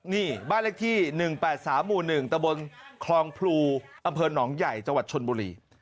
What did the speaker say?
นี่บ้านเลขที่๑๘๓หมู่๑ตะบนคลองพลูอำเภอหนองใหญ่จังหวัดชนบุรี